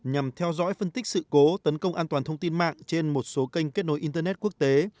nhằm theo dõi phân tích sự cố tấn công an toàn thông tin mạng trên một số kênh kết nối internet quốc tế